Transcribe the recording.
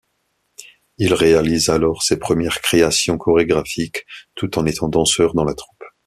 Il réalise alors ses premières créations chorégraphiques tout en étant danseur dans la troupe.